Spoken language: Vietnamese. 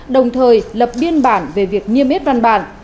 đồng thời lập biên bản về việc niêm yết văn bản